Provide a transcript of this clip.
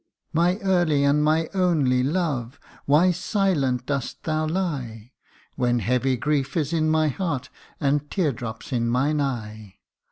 1 My early and my only love, why silent dost thou lie, When heavy grief is in my heart, and tear drops in mine eye; 42 THE UNDYING ONE.